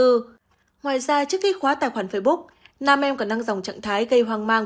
ngoài ra trước khi khóa tài khoản facebook nam em còn nâng dòng trạng thái gây hoang mang